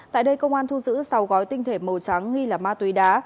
tại đây công an thu giữ sáu gói tinh thể màu trắng nghi là ma túy đá